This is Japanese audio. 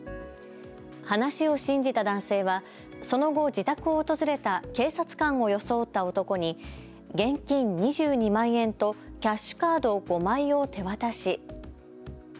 話を信じた男性は、その後自宅を訪れた警察官を装った男に現金２２万円とキャッシュカード５枚を手渡し。